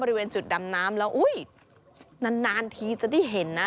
บริเวณจุดดำน้ำแล้วอุ้ยนานทีจะได้เห็นนะ